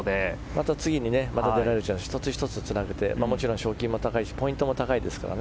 また次に出られるチャンスを、１つ１つつなげてもちろん賞金も高いしポイントも高いですから。